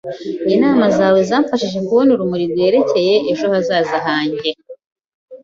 Inama zawe zamfashije kubona urumuri rwerekeye ejo hazaza hanjye.